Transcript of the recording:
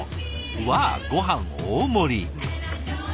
わあごはん大盛り。